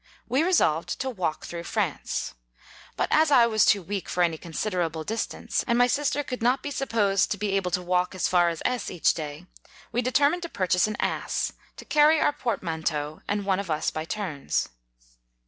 We resolved to walk through France ; but as I was too weak for any consi derable distance, and my sister could not be supposed to be able to walk as far as S each day, we determined to purchase an ass, to carry our portman teau and one of us by turns.